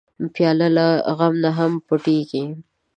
پیاله له غم نه هم پټېږي.